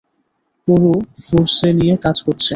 পুরো ফোর্স এ নিয়ে কাজ করছে।